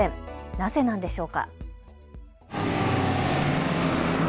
なぜなんでしょうか。